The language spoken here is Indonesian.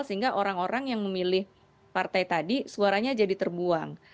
sehingga orang orang yang memilih partai tadi suaranya jadi terbuang